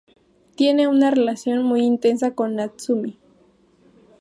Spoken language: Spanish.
Tiene una relación muy intensa con Natsumi.